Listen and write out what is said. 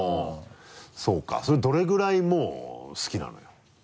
そうかそれどれぐらいもう好きなのよ？